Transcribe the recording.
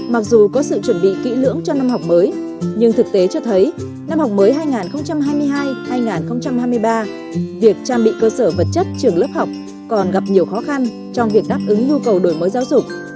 mặc dù có sự chuẩn bị kỹ lưỡng cho năm học mới nhưng thực tế cho thấy năm học mới hai nghìn hai mươi hai hai nghìn hai mươi ba việc trang bị cơ sở vật chất trường lớp học còn gặp nhiều khó khăn trong việc đáp ứng nhu cầu đổi mới giáo dục